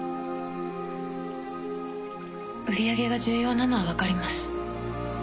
売り上げが重要なのは分かります。